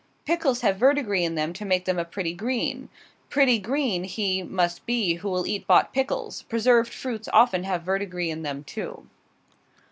Pickles have verdigris in them to make them a pretty green. "Pretty green" he must be who will eat bought pickles! Preserved fruits often have verdigris in them, too.